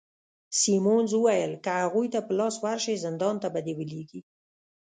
سیمونز وویل: که هغوی ته په لاس ورشې، زندان ته به دي ولیږي.